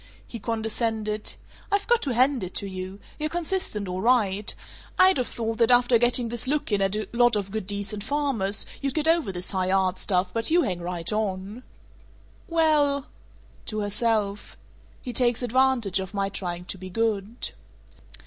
He condescended: "I've got to hand it to you. You're consistent, all right. I'd of thought that after getting this look in at a lot of good decent farmers, you'd get over this high art stuff, but you hang right on." "Well " To herself: "He takes advantage of my trying to be good."